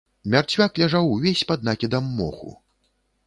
Мярцвяк ляжаў увесь пад накідам моху.